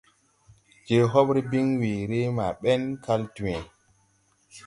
Je hobre bin weere maa bɛn kal dwęę.